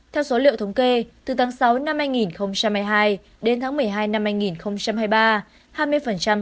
theo số liệu thống kê từ tháng sáu năm hai nghìn hai mươi hai đến tháng một mươi hai năm hai nghìn hai mươi ba